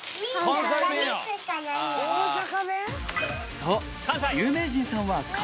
そう！